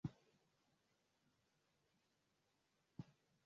zamani eneo la Anatolia lilishambuliwa na makabila